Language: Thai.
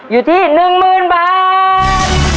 อยู่ที่หนึ่งหมื่นบาท